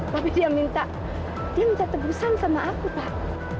tapi dia minta dia minta tebusan sama aku pak